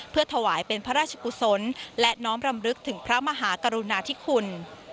เพื่อถวายเป็นพระราชกุศลและน้อมรำลึกถึงพระมหากรุณาธิคุณ